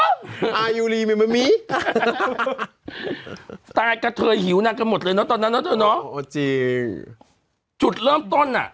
ตัยล่ะกับเธอหิวน่ากันหมดเลยเนอะตอนนั้นเธอจริงจุดเริ่มต้นน่ะ